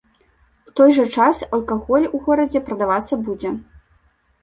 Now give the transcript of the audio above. У той жа час алкаголь у горадзе прадавацца будзе.